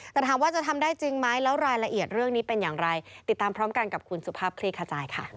แต่ถามว่าจะทำได้จริงไหมแล้วรายละเอียดเรื่องนี้เป็นอย่างไรติดตามพร้อมกันกับคุณสุภาพคลี่ขจายค่ะ